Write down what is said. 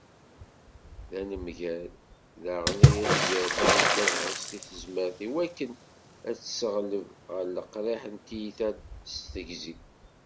D anemgal, d ayen i as-d-yernan tabɣest d tezmert iwakken ad tesseɣleb ɣef leqriḥ n tiyita s tegzi.